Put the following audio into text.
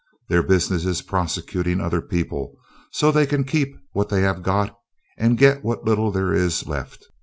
Their business is prosecuting other people so they can keep what they have got and get what little there is left.